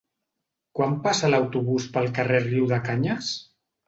Quan passa l'autobús pel carrer Riudecanyes?